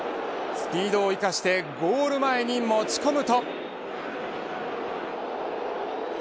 スピードを生かしてゴール前に持ち込むと。